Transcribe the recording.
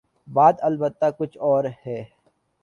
بات البتہ کچھ اور ہے۔